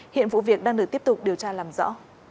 hiện vụ việc đang được tiếp tục điều tra làm rõ